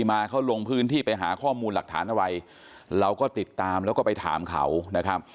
มาเขาลงพื้นที่ไปหาข้อมูลหลักฐานอะไรเราก็ติดตามแล้วก็ไปถามเขานะครับ